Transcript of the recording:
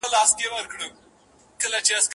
همېشه به په غزا پسي وو تللی